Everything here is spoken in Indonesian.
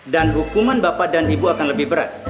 dan hukuman bapak dan ibu akan lebih berat